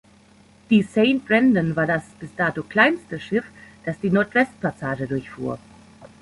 Die "Saint Brendan" war das bis dato kleinste Schiff, das die Nordwestpassage durchfuhr.